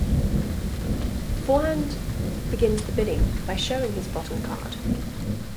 Forehand begins the bidding by showing his bottom card.